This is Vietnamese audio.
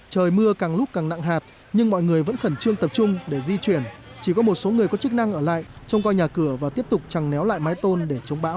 trời mưa càng lúc càng nặng hạt nhưng mọi người vẫn khẩn trương tập trung để di chuyển chỉ có một số người có chức năng ở lại trông coi nhà cửa và tiếp tục chẳng néo lại mái tôn để chống bão